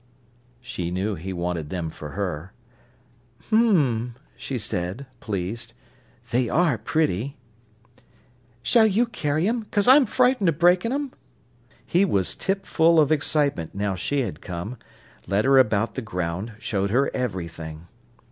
She knew he wanted them for her. "H'm!" she said, pleased. "They are pretty!" "Shall you carry 'em, 'cause I'm frightened o' breakin' 'em?" He was tipful of excitement now she had come, led her about the ground, showed her everything.